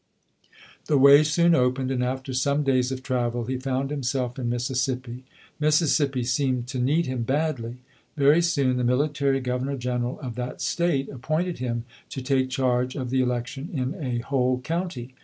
The way soon opened, and after some days of travel, he found himself in Mississippi. Mississippi seemed to need him badly. Very soon, the mili tary Governor General of that State appointed him to take charge of the election in a whole county.